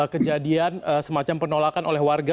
kejadian semacam penolakan oleh warga